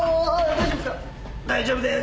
大丈夫ですか？